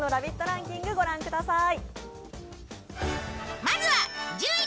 ランキング御覧ください。